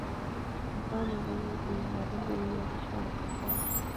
kuvaa mavazi ya kimagharibi mno licha ya kuwa